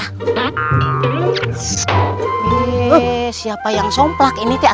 eh siapa yang somplak ini tia